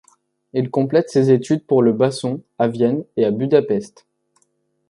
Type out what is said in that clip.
Il complète ses études pour le basson, à Vienne et à Budapest.